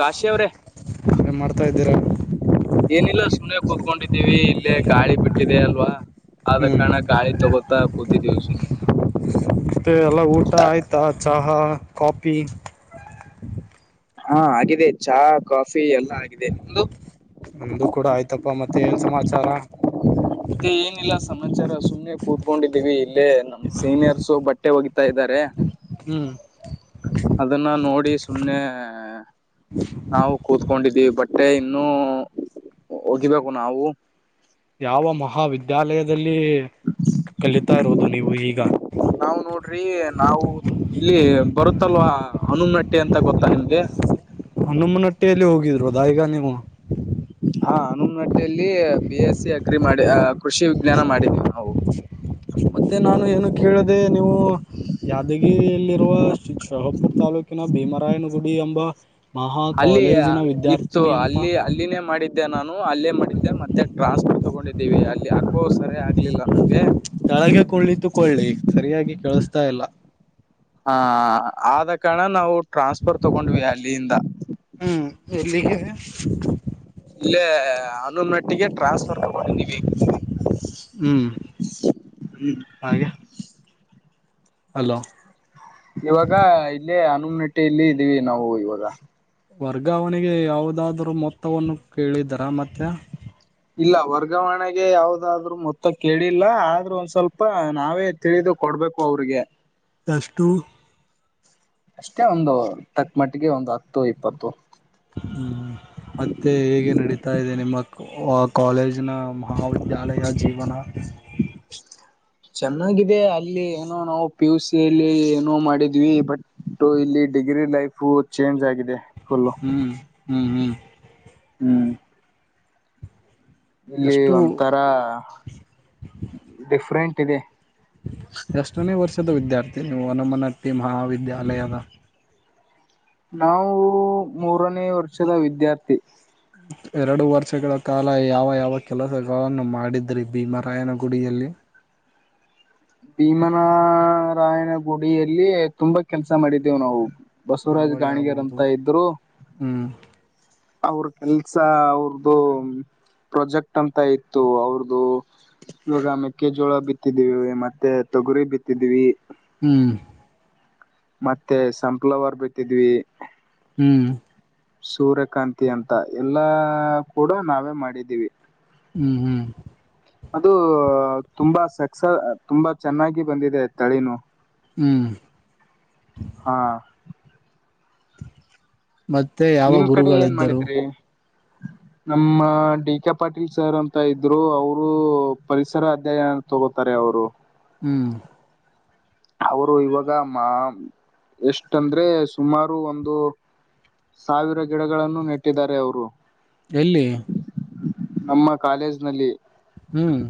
ಕಾಶಿ ಅವ್ರೆ ಅೇ ಮಾಡ್ತಾ ಇದ್ದೀರಾ. ಏನಿಲ್ಲ ಸುನೆ ಕುೂತ್ಕೊಂಡಿದ್ದೀವಿ ಇಲ್ಲೇ ಗಾಳಿ ಬಿಟ್ಟಿದೆ ಅಲ್ವಾ ಆದ ಹ್ಮ್ ಕಾರಣ ಗಾಳಿ. ಕ ಕೂತಿ ದವಿ ಸುನನೆ. ಮತ್ತು ಎಲ್ಲ ಊಟ ಆಯ್ತಾ ಚಹಾ ಕಾಫಿ ಹಾ ಆಗಿದೆ ಚಾ ಕಾಫಿ ಎಲ್ಲಾ ಆಗಿದೆ ನಿಮ್ದ. ನಮ್ದು ಕೂಡ ಆಯ್ತಪ್ಪ ಮತ್ತೆ ಏನ್ ಸಮಾಚಾರ. ಮತ್ತೆ ಏನಿಲ್ಲ ಸಮಾಚಾರ ಸುಮ್ಮ್ನೆ ಕೂತ್ಕೊಂಡಿದ್ದೀವಿ ಇಲ್ಲೇ ನಮ್ಮ. ಸೀನಿಯರ್ಸು ಬಟ್ಟೆ ಹೋಗಿತಾ ಇದ್ದಾರೆ. ಹ್ಮ್. ಅದನ್ನ ನೋಡಿ ಸುಮ್ನೆ. ಹ. ನಾವು ಕೂತ್ಕೊಂಡಿದೀವಿ ಬಟ್ಟೆ ಇನ್ನುೂ ಒೋಗಿಬೇಕು ನಾವು. ಯಾವ ಮಹಾವಿದ್ಯಾಲಯದಲ್ಲಿ ಕಲಿತಾ ಇರೋದು ನೀವು ಈಗ. ೀ ನಾವು ಇಲ್ಲಿ ಬರುತ್ತಲ್ವಾ ಅನು ನಟ್ಟಿ ಅಂತ ಗೊತ್ತಾ ನಿಮ್ಗೆ. ಹ್ಣಮ್ಮನೊಟ್ಟಿಯಲ್ಲಿ ಹೋಗಿದ್ರು ಅದ ಈಗ ನೀವು. ಹಾ ಹನುೂನ್ಗಟ್ಟಲ್ಲಿ ಪ ಎಸ್ ಸಿ ಅಗ್ರಿ ಮಾಡಿ ಅ ಕೃಷಿ ವಿಜ್ಞಾನ ಮಾಡಿದೀವಿ ನಾವು. ಮತ್ತೆ ನಾನು ಏನು ಕೇಳದೆ ನೀವು. ಯಾದಗಿರಿಯಲ್ಲಿರುವ ಶಹಪುರ್ ತಾಲೂಕಿನ ಭೀಮರಾಯನಗುಡಿ ಎಂಬ. ಮಹಾ ಅಲ್ಲಿ ಕಾಲೇಜಿನ ಇತ್ತು ವಿದ್ಯಾರ್ಥಿನಿ ಅಂತ ಅಲ್ಲಿ ಅಲ್ಲಿನೇ ಮಾಡಿದ್ದ. ಮೆ ನಾನು ಅಲ್ಲೇ ಮಾಡಿದ್ದೆ ಮತ್ತೆ ಟ್ರಾನ್ಸ್ಫೋರ್ ತಗೊಂಡಿದ್ದೀವಿ ಅಲ್ಲಿ ಹಾಕೋ ಸರಿ ಆಗ್ಲಿಲ್ಲ ನಮ್ಗೆ. ತಳಗೆ ಕುಣಿತು ಕೊಳ್ಳಿ ಸರಿಯಾಗಿ ಕೇಳಿಸತಾ ಇಲ್ಲ. ಹ ಆದ ಕಾರಣ ನಾವು ಟ್ರಾನ್ಸ್ಫರ್ ತಗೊಂಡ್ವಿ ಅಲ್ಲಿಂದ. ಹ್ಮ್ ಎಲ್ಲಿಕ್ಕೆ. ಇಲ್ಲ ಅನಹಟ್ಟಿ. ಟ್ರಾನ್ಸ್ಫರ್ ತಗೊಂಡಿದ್ದೀವಿ ಹ್ಮ್ ಹ್ಮ. ಹಾಗೆ. ಅಲೋ. ಇವಾಗ ಇಲ್ಲೇ ಹನುಮ್ ನಟ್ಟಿಯಲ್ಲಿ ಇದ್ದೀವಿ ನಾವು ಇವಾಗ. ವರ್ಗಾವಣೆಗೆ ಯಾವವುದಾದ್ರು ಮೊತ್ತವನ್ನು ಕೇಳಿದರ ಮತ್ತೆ. ಇಲ್ಲ ವರ್ಗಾವಣೆಗೆ ಯಾವದಾದ್ರು ಮೊತ್ತ ಕೇಳಿಲ್ಲ ಆದ್ರ ಒಂದ್ ಸ್ವಲ್ಪ ನಾವೇ. ತಿಳಿದು ಕೊಡ್ಬೇಕು ಅವ್ರಿಗೆ. ದಷ್ಟಟು. ಅಷ್ಟೇ ಒಂದು ತಕ್ಕ ಮಟ್ಟಿಗೆ ಒಂದು ಹತ್ತು ಇಪ್ಪತ್ತು. ಹ್ಮ್ ಮತ್ತೆ ಹೇಗೆ ನಡೀತಾ ಇದೆ ನಿಮ್ಮಕ್ಕು. ಆ ಕಾಲೇಜ್ ನ ಮಹಾವಿದ್ಯಾಲಯ ಜೀವನ. [unintelligible] ಚೆನ್ನಾಗಿದೆ ಅಲ್ಲಿ ಏನೋ ನಾವು ಪಿ ಯು ಸಿ ಅಲ್ಲಿ ಏನೋ ಮಾಡಿದ್ವಿ ಬಟ್. ು ಇಲ್ಲಿ ಡಿಗ್ರಿ ಲೈಫು ಚೇಂಜ್ ಆಗಿದೆ. ಫುಲ್ಲು ಹ್ಮ್ ಹ್ಮ್ ಹ್ಮ್. ಹ್ಮ್. ಇಲ್ಲಿ ಎಷ್ಟು ಒಂಥರ ಡಿಫ್ರೆಂಟ್ ಇದೆ. ಎಷ್ಟನೇ ವರ್ಷದ ವಿದ್ಯಾರ್ಥಿ ನೀವು ಹನುಮನಟ್ಟಿ ಮಹಾವಿದ್ಯಾಲಯದ. ನಾವು ಮೂರನೇ ವರ್ಷದ ವಿದ್ಯಾರ್ಥಿ. ಎರಡು ವರ್ಷಗಳ ಕಾಲ ಯಾವ ಯಾವ ಕೆಲಸಗಳನ್ನು ಮಾಡಿದ್ರಿ ಭೀಮರಾಯನಗುಡಿಯಲ್ಲಿ. ಭೀಮನಾರಾಯನ ಗುಡಿಯಲ್ಲಿ ತುಂಬಾ ಕೆಲ್ಸ ಮಾಡಿದ್ದೇವು ನಾವು. ಬಸವರಾಜ್ ಯಾವ ಗಾಣಿಗೆ ಯಾವುದು ರಂತ ಇದ್ರು. ಹ್ಮ್. ಅವ್ರ್ ಕೆಲ್ಸ ಅವ್ರ್ದು ಪ್ರಾಜೆಕ್ಟ್ ಅಂತ ಇತ್ತು ಅವರ್ದು. ಇವಾಗ ಮೆಕ್ಕೆಜೋಳ ಬಿತ್ತಿದ್ದೀವಿ ಮತ್ತೆ ತೊಗುರಿ ಬಿತ್ತಿದ್ದೀವಿ. ಹ್ಮ್. ಮತ್ತೆ ಸಂಪ್ಲವರ್ ಬಿಟ್ಟಿದಿವಿ. ಹ್ಮ್. ಸೂರ್ಯಕಾಂತಿ ಅಂತ ಎಲ್ಲಾ ಕೂಡ ನಾವೇ ಮಾಡಿದ್ದೀವಿ. ಹ್ಮ್. ಹ್ಮ್ ಅದು ತುಂಬಾ ಸಕ್ಸ ತುಂಬಾ ಚೆನ್ನಾಗಿ ಬಂದಿದೆ ತಳಿನು. ಹ್ಮ್. ಹಾ. ಮತ್ತೆ. ಯಾವ ನಿಮ್ ಕಡೆ ಏನ್ ಗುರುಗಳಿದ್ದರು ಮಾಡಿದ್ರಿ. ನಮ್ಮ ಡಿ ಕೆ ಪಾಟೀಲ್ ಸರ್ ಅಂತ ಇದ್ರು ಅವರು ಪರಿಸರ ಅಧ್ಯಾಯ. ತಗೋತಾರೆ ಅವ್ರು. ಹ್ಮ್. ಅವರು ಇವಾಗ ಮಾಮ್ ಎಷ್ಟ ಅಂದ್ರೆ ಸುಮಾರು ಒಂದು. ಸಾವಿರ ಗಿಡಗಳನ್ನು ನೆಟ್ಟಿದ್ದಾರೆ ಅವರು. ಎಲ್ಲಿ. ನಮ್ಮ ಕಾಲೇಜ್ ನಲ್ಲಿ. ಹ್ಮ್.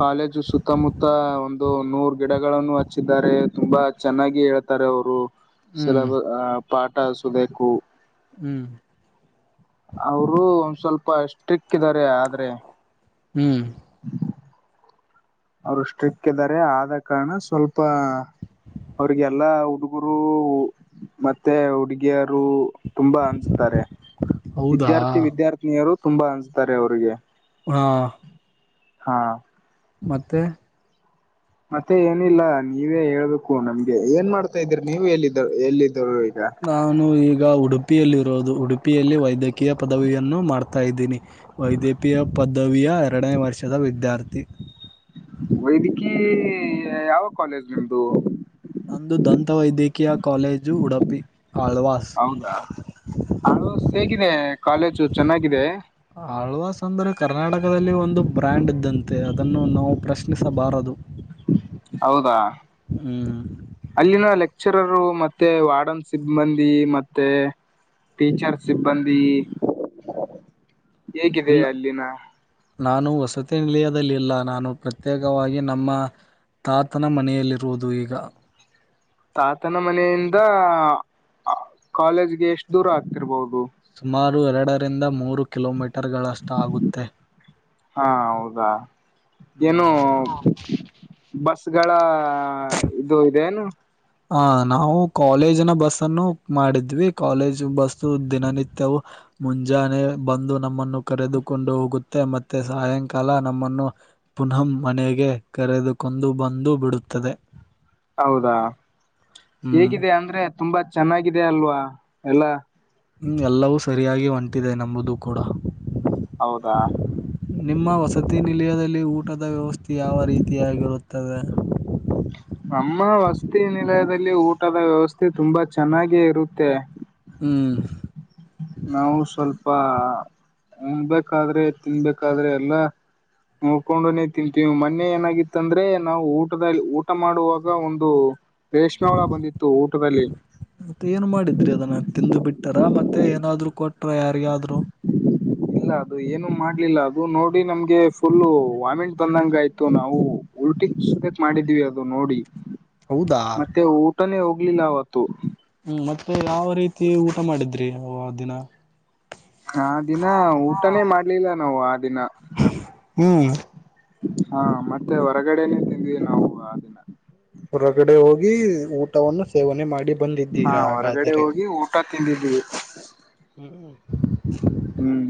ಕಾಲೇಜು ಸುತ್ತಮುತ್ತ ಒಂದು ನೂರ್ ಗಿಡಗಳನ್ನು ಹಚ್ಚಿದ್ದಾರೆ ತುಂಬಾ ಚೆನ್ನಾಗಿ ಹೇಳ್. ತಾರೆ ಅವರು ಹ್ಮ್ ಸಿಲೆಬ ಅ ಪಾಠಿ ಸುಲೇಕು. ಹ್ಮ್. ಅವರು ಒಂದ್ ಸ್ವಲ್ಪ ಸ್ಟ್ರಿಕ್ ಇದ್ದಾರೆ ಆದ್ರೆ. ಹ್ಮ್. ಅವ್ರು ಸ್ಟ್ರಿಕ್ಟ್ ಇದ್ದಾರೆ ಆದ ಕಾರಣ ಸ್ವಲ್ಪ. ಅವ್ರಿಗೆಲ್ಲಾ ಹುಡಗುರು ರು ಮತ್ತೆ ಹುಡುಗಿಯರು. ತುಂಬಾ ಅಂಜತಾರೆ ಹೌದಾ ವಿದ್ಯಾರ್ಥಿ ವಿದ್ಯಾರ್ಥಿನಿಯರು ತುಂಬಾ ಅಂಜತಾರೆ ಅವರಿಗೆ. ಹಾ. ಹಾ. ಮತ್ತೆ. ಮತ್ತೆ ಏನಿಲ್ಲ ನೀವೇ ಹೇಳ್ಬೇಕು ನಮ್ಗೆ ಏನ್ ಮಾಡ್ತಾ ಇದೀರಿ ನೀವ ಎಲ್ಲಿದ್ದ ಎಲ್ಲಿದ್ದ್ರು ಈಗ ನಾನು ಈಗ ಉಡುಪಿಯಲ್ಲಿರೋದು ಉಡುಪಿಯಲ್ಲಿ ವೈದ್ಯಕೀಯ ಪದವಿಯನ್ನು ಮಾಡ್ತಾ ಇದ್ದೀನಿ. ವೈದ್ಯಕೀಯ ಪದವಿಯ ಎರಡನೇ ವರ್ಷದ ವಿದ್ಯಾರ್ಥಿ. ವೈದಿಕೀ ಯಾವ ಕಾಲೇಜ್ ನಿಮ್ದು. ನಂದು ದಂತ ವೈದ್ಯಕೀಯ ಕಾಲೇಜು ಉಡುಪಿ ಆಳ್ವಾಸ್. ನಾ ಹ ಹೇಗಿದೆ ಕಾಲೇಜು ಚೆನ್ನಾಗಿದೆ. ಆಳ್ವಾಸ್ ಅಂದ್ರೆ ಕರ್ನಾಟಕದಲ್ಲಿ ಒಂದು ಬ್ರ್ಯಾಂಡ್ ಇದ್ದಂತೆ ಅದನ್ನು ನಾವು ಪ್ರಶ್ನಿಸಬಾರದು. ಹೌದಾ ಹ್ಮ್ ಅಲ್ಲಿನ ಲೆಕ್ಚರರು ಮತ್ತೆ ವಾರ್ಡನ್ ಸಿಬ್ಬಂದಿ ಮತ್ತೆ [unintelligible] ಸಿಬ್ಬಂದಿ ಹೇಗಿದೆ ಇಲ್ಲ ಅಲ್ಲಿನ. ನಾನು ವಸತಿ ನಿಲಯದಲ್ಲಿಲ್ಲ ನಾನು ಪ್ರತ್ಯೇಕವಾಗಿ ನಮ್ಮ. ತಾತನ ಮನೆಯಲ್ಲಿರುವುದು ಈಗ. ತಾತನ ಮನೆಯಿಂದ ಕಾಲೇಜ್ಗೆ ಎಷ್ಟು ದೂರ ಆಗ್ತಿರ್ಬಹುದು. ಸುಮಾರು ಎರಡರಿಂದ ಮೂರು ಕಿಲೋ ಮೀಟರ್ ಗಳಷ್ಟು ಆಗುತ್ತೆ. ಹಾ ಹೌದಾ ಹ್ಮ್ ಏನು ಹೌದು ಬಸ್ಗಳ ಇದು ಏನು. ಹ ನಾವು ಕಾಲೇಜಿನ ಬಸ್ ಅನ್ನು ಮಾಡಿದ್ವಿ ಕಾಲೇಜ್ ಬಸ್ಸು ದಿನನಿತ್ಯವು. ಮುಂಜಾನೆ ಬಂದು ನಮ್ಮನ್ನು ಕರೆದುಕೊಂಡು ಹೋಗುತ್ತೆ ಮತ್ತೆ ಸಾಯಂಕಾಲ ನಮ್ಮನ್ನು. ಪುನಃ ಮನೆಗೆ ಕರೆದುಕೊಂಡು ಬಂದು ಬಿಡುತ್ತದೆ. ಹೌದಾ ಹ್ಮ್ ಹೇಗಿದೆ ಅಂದ್ರೆ ತುಂಬಾ ಚೆನ್ನಾಗಿದೆ ಅಲ್ವಾ ಎಲ್ಲ. ಹ ಎಲ್ಲವೂ ಸರಿಯಾಗಿ ಒಂಟಿದೆ ನಂಬುದು ಕೂಡ. ಹೌದಾ ನಿಮ್ಮ ವಸತಿ ನಿಲಯದಲ್ಲಿ ಊಟದ ವ್ಯವಸ್ಥೆ ಯಾವ ರೀತಿಯಾಗಿರುತ್ತದೆ. ನಮ್ಮ ವಸತಿ ನಿಲಯದಲ್ಲಿ ಊಟದ ವ್ಯವಸ್ಥೆ ತುಂಬಾ ಚೆನ್ನಾಗ ಇರುತ್ತೆ. ಹ್ಮ್ ನಾವು ಸ್ವಲ್ಪ ಉಂಬಬೇಕಾದ್ರೆ ತಿನ್ಬೇಕಾದ್ರೆ ಎಲ್ಲಾ. ನೋಡ್ಕೊಂಡನನೆ ತಿಂತೀವಿ ಮೊನ್ನೆ ಏನಾಗಿತ್ತ ಅಂದ್ರೆ ನಾವು ಊಟದಾಳಿ ಊಟ ಮಾಡುವಾಗ ಒಂದು. ರೇಷ್ಮೆ ಹುಳ ಬಂದಿತ್ತು ಊಟದಲ್ಲಿ. ಮ ಏನ್ ಮಾಡಿದ್ರಿ ಅದನ್ನ ತಿಂದು ಬಿಟ್ಟಾರ ಮತ್ತೆ ಏನಾದ್ರು ಕೊಟ್ರ ಯಾರಿಗಾದ್ರು. ಇಲ್ಲ ಅದು ಏನು ಮಾಡ್ಲಿಲ್ಲ ಅದು ನೋಡಿ ನಮ್ಗೆ ಫುಲ್ಲ ವಾಮಿಟ್ ಬಂದಂಗ ಆಯ್ತು ನಾವು. ಉಲ್ಟಿ ಸುರಕ್ ಮಾಡಿದ್ವಿ ಅದು ನೋಡಿ ಹೌದಾ ಮತ್ತೆ ಊಟನೇ ಹೋಗ್ಲಿಲ್ಲ ಅವತ್ತು. ಹ್ಮ್ ಮತ್ತೆ ಯಾವ ರೀತಿ ಊಟ ಮಾಡಿದ್ರಿ ನೀವು ಅ ದಿನ. ಆ ದಿನ ಊಟನೇ ಮಾಡ್ಲಿಲ್ಲ ನಾವು ಆ ದಿನ. ಹ್ಮ್ ಹಾ ಮತ್ತೆ ಹೊರಗಡೆನೆೇ ತಿಂದ್ವಿ ನಾವು ಅ ಹೊರಗಡೆ ಹೋಗಿ ಊಟವನ್ನು ಸೇವನೆ ಮಾಡಿ ಹಾ ಬಂದಿದ್ದೀರಾ ಹೊರಗಡೆ ಹಾಗಾದರೆ. [unintelligible] ಹ್ಮ್ ಹೂ ಹ್ಮ್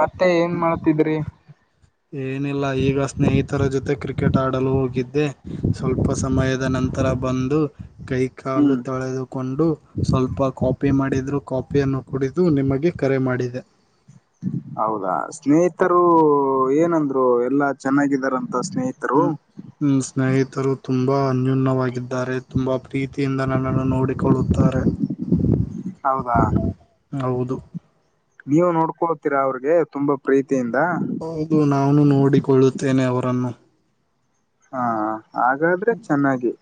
ಮತ್ತೆ ಏನ್ ಮಾಡತಿದ್ರಿ. ಏನಿಲ್ಲ ಈಗ ಸ್ನೇಹಿತರ ಜೊತೆ ಕ್ರಿಕೆಟ್ ಆಡಲು ಹೋಗಿದ್ದೆ ಸ್ವಲ್ಪ ಸಮಯದ ನಂತ ತರ ಬಂದು ಕೈ ಕಾಲು ಹ್ಮ್ ತೊಳೆದು ಕೊಂಡು ಸ್ವಲ್ಪ ಕಾಪಿ ಮಾಡಿದ್ರು ಕಾಪಿಯನ್ನು ಕುಡಿದು ನಿಮಗೆ ಕರೆ ಮಾಡಿದೆ. ಹೌದಾ ಸ್ನೇಹಿತರು ಏನಂದ್ರು ಎಲ್ಲಾ ಚೆನ್ನಾಗಿದಾರಂತ ಸ್ನೇಹಿತ ಹೂ ಹೂ ಸ್ನೇಹಿತರು ತುಂಬಾ ಅನ್ಯೂನ್ಯವಾಗಿದ್ದಾರೆ ತುಂಬಾ ಪ್ರೀತಿಯಿಂದ ನನ್ನನ್ನು ನೋಡಿ ಹೌದಾ [unintelligible] ಹೌದು. ನೀವು ನೋಡ್ಕೊಳ್ತೀರಾ ಅವ್ರಿಗೆ ತುಂಬಾ ಪ್ರೀತಿಯಿಂದ. ಹೌದು ನಾನು ನೋಡಿಕೊಳ್ಳುತ್ತೇನೆ ಅವರನ್ನು. ಹಾ ಹಾಗಾದ್ರೆ ಚೆನ್ನಾಗಿ.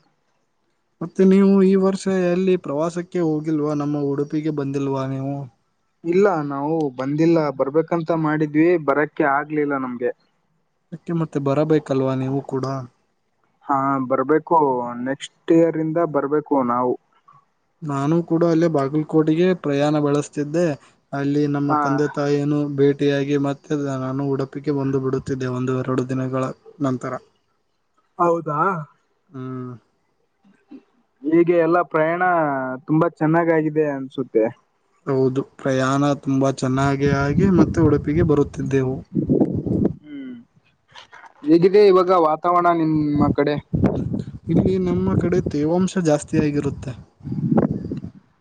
ಮತ್ತೆ ನೀವು ಈ ವರ್ಷ ಎಲ್ಲಿ ಪ್ರವಾಸಕ್ಕೆ ಹೋಗಿಲ್ವಾ ನಮ್ಮ ಉಡುಪಿಗೆ ಬಂದಿಲ್ವಾ ನೀವು ಇಲ್ಲ ನಾವು ಬಂದಿಲ್ಲ ಬರ್ಬೇಕಂತ ಮಾಡಿದ್ವಿ ಬರಕ್ಕೆೆ ಆಗ್ಲಿಲ್ಲ ನಮ್ಗೆ ಅದಕ್ಕೆ ಮತ್ತೆ ಬರಬೇಕಲ್ವಾ ನೀವು ಕೂಡ ಹಾ ಬರ್ಬೇಕು ನೆಕ್ಸ್ಟ್ ಇಯರ್ ಇಂದ ಬರ್ಬೇಕು ನಾವು ನಾನು ಕೂಡ ಅಲ್ಲೇ ಬಾಗಲಕೋಟೆಗೆ ಪ್ರಯಾಣ ಬೆಳೆಸ್ತಿದ್ದೆ ಅಲ್ಲಿ ನಮ್ಮ ಹಾ ತಂದೆ ತಾಯಿಯನು ಬೇಟಿ ಭೇಟಿಯಾಗಿ ಮತ್ತೆ ನಾನು ಉಡುಪಿಗೆ ಬಂದು ಬಿಡುತ್ತಿದ್ದೆ ಒಂದು ಎರಡು ದಿನಗಳ ನಂತರ ಹೌದಾ ಹಾ ಹೀಗೆ ಎಲ್ಲ ಪ್ರಯಾಣ ತುಂಬಾ ಚೆನ್ನಾಗಾಗಿದೆ ಅನ್ಸುತ್ತೆ ಹೌದು ಪ್ರಯಾಣ ತುಂಬಾ ಚೆನ್ನಾಗಿ ಆಗಿ ಮತ್ತೆ ಉಡುಪಿಗೆ ಬರುತ್ತಿದ್ದೆವು ಹ್ಮ್ ಹೇಗಿದೆ ಇವಾಗ ವಾತಾವರಣ ನಿಮ್ಮ ಕಡೆ ಇಲ್ಲಿ ನಮ್ಮ ಕಡೆ ತೇವಾಂಶ ಜಾಸ್ತ ಆಗಿರುತ್ತೆ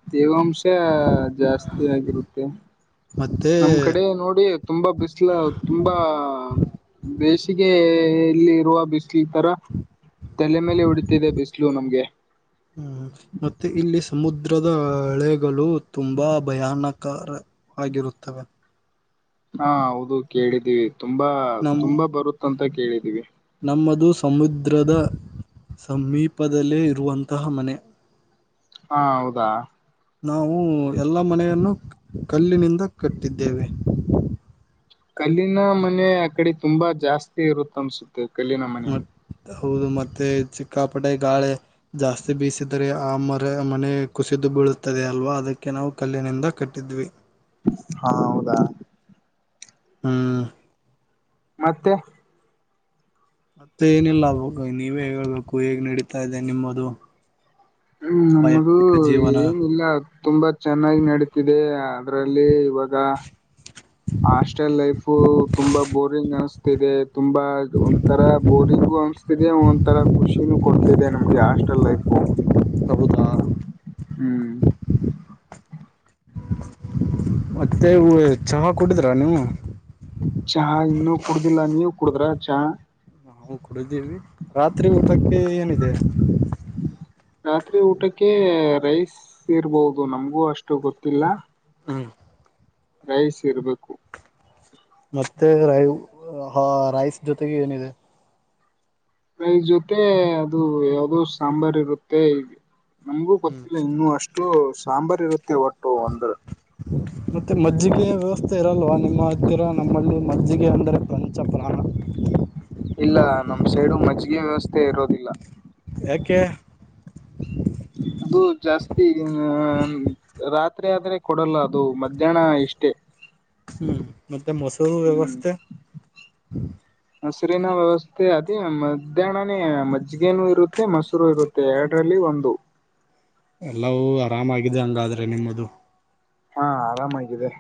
ತೇವಾಂಶ ಜಾಸ್ತಿ ಆಗಿರುತ್ತೆ ಮತ್ತೆ ನಮ್ ಕಡೆ ನೋಡಿ ತುಂಬಾ ಬಿಸ್ಲು ತುಂಬಾ ಬೇಸಿಗೆ ಇಲ್ಲಿ ಇರುವ ಬಿಸಿಲು ತರ ತಲೆ ಮೇಲೆ ಉಡತಿದೆ ಬಿಸಿಲು ನಮ್ಗೆ ಹ್ಮ ಮತ್ತೆ ಇಲ್ಲಿ ಸಮುದ್ರದ ಹಳೆಗಳು ತುಂಬಾ ಭಯಾನಕಾರ ಆಗಿರುತ್ತವೆ ಹಾ ಹೌದು ಕೇಳಿದ್ದೀವಿ ತುಂಬಾ ನಮ್ ತುಂಬಾ ಬರುತ್ತಂತ ಕೇಳಿದೀವಿ ನಮ್ಮದು ಸಮುದ್ರದ ಸಮೀಪದಲ್ಲೇ ಇರುವಂತಹ ಮನೆ ಹಾ ಹೌದಾ ನಾವು ಎಲ್ಲ ಮನೆಯನ್ನು ಕಲ್ಲಿನಿಂದ ಕಟ್ಟಿದ್ದೇವೆ ಕಲ್ಲಿನ ಮನೆ ಆ ಕಡೆ ತುಂಬಾ ಜಾಸ್ತಿ ಇರುತ್ತ ಅನ್ಸುತ್ತೆ ಕಲ್ಲಿನ ಮನೆ ಮತ್ ಹೌದು ಮತ್ತೆ ಚಿಕ್ಕಾಪಟೆ ಗಾಳೆ ಜಾಸ್ತಿ ಬೀಸಿದರೆ ಆ ಮರ ಮನೆ ಕುಸಿದು ಬೀಳುತ್ತದೆ ಅಲ್ವಾ ಅದಕ್ಕೆ ನಾವು ಕಲ್ಲಿನಿಂದ ಕಟ್ಟಿದ್ವಿ ಹಾ ಹೌದಾ ಹ್ಮ್ ಮತ್ತೆ ಮತ್ತೆ ಏನಿಲ್ಲ ನೀವೇ ಹೇ ಹೇಳ್ಬೇಕು ಹೇಗ್ ನಡೀತಾ ಇದೆ ನಿಮ್ಮದು ಹ್ಮ್ ನಮ್ಮದು ವೈಯಕ್ತಿಕ ಜೀವನ ಏನಿಲ್ಲ ತುಂಬಾ ಚೆನ್ನಾಗಿ ನಡತಿದೆ ಅದ್ರಲ್ಲಿ ಇವಾಗ ಹಾಸ್ಟೆಲ್ ಲೈಫು ತುಂಬಾ ಬೋರಿಂಗ್ ಅನಿಸ್ತಾ ಇದೆ ತುಂಬಾ ಒಂಥರ ಬೋರಿಂಗು ಅನ್ಸ್ತ ಒಂಂತರ ಖುಷಿನೂ ಕೊಡ್ತಿದೆ ನಮ್ಗೆ ಹಾಸ್ಟೆಲ್ ಲೈಫು ಹೌದ ಹ್ಮ್ ಮತ್ತ ಹ ಚಹಾ ಕುಟ್ಟಿದಿರಾ ನೀವು ಚಹಾ ಇನ್ನುೂ ಕುಡುದಿಲ್ಲ ನೀವು ಕುಡುದ್ರ ಚಹಾ ನಾವು ಕುಡಿದ್ದೀವಿ ರಾತ್ರಿ ಊಟಕ್ಕೆ ಏನಿದೆ ರಾತ್ರಿ ಊಟಕ್ಕೆ ರೈಸ್ ಇರ್ಬಹುದು ನಮ್ಗೂ ಅಷ್ಟು ಗೊತ್ತಿಲ್ಲ ಹ್ಮ್ ರೈಸ್ ಇರ್ಬೇಕು ಮತ್ತೆ ರೈ ರೈಸ್ ಜೊತೆಗೆ ಏನಿದೆ ಪ್ರೈ ಜೊತೆ ಅದು ಯಾವದೋ ಸಾಂಬಾರ್ ಇರುತ್ತೆ ಈಗ ನಮಗೂ ಹ್ಮ್ ಗೊತ್ತಿಲ್ಲ ಇನ್ನು ಅಷ್ಟು ಸಾಂಬಾರ್ ಇರುತ್ತೆ ಒಟ್ಟು ಒಂದ ಮತ್ತೆ ಮಜ್ಜಿಗೆಯ ವ್ಯವಸ್ಥೆ ಇರಲ್ವಾ ನಿಮ್ಮ ಹತ್ತಿರ ನಮ್ಮಲ್ಲಿ ಮಜ್ಜಿಗೆ ಅಂದ್ರೆ ಪಂಚ ಪ್ರಾಣ. ಇಲ್ಲ ನಮ್ ಸೈಡು ಮಜ್ಜಿಗೆ ವ್ಯವಸ್ಥೆ ಇರೋದಿಲ್ಲ. ಯಾಕೆ ಅದು ಜಾಸ್ತಿ ರಾತ್ರಿ ಆದ್ರೆ ಕೊಡಲ್ಲ ಅದು ಮಧ್ಯಾಹ್ನ ಇಷ್ಟೇ. ಹ್ಮ್ ಮತ್ತೆ ಮೊಸರು ವ್ಯವಸ್ಥೆ. ಮೊಸರಿನ ವ್ಯವಸ್ಥೆ ಅದೇ ಮಧ್ಯಾಹ್ಣ ನೇ ಮಜ್ಗೇನು ಇರುತ್ತೆ ಮೊಸರೂ ಇರುತ್ತೆ. ಎರಡ್ರಲ್ಲಿ ಒಂದು. ಎಲ್ಲವೂ ಆರಾಮಾಗಿದೆ ಹಂಗಾದ್ರೆ ನಿಮ್ಮದು. ಹಾ ಆರಾಮಾಗಿದೆ.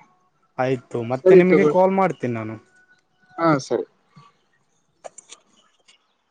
ಆಯ್ತು ಮತ್ತೆ ಸರಿ ನಿಮಗೆ ತಗೊಳ್ಳಿ ಕಾಲ್ ಮಾಡ್ತೀನಿ ನಾನು. ಹಾ ಸರಿ